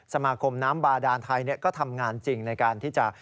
สมาคมน้ำบาดานไทยก็ทำงานจริงในการที่จะ